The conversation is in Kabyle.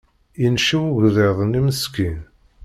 Yenncew ugḍiḍ-nni meskin.